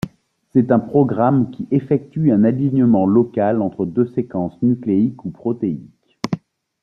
C'est un programme qui effectue un alignement local entre deux séquences nucléiques ou protéiques.